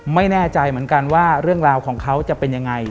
ไม่แน่ใจเหมือนกันว่าเรื่องราวของเขาจะเป็นยังไง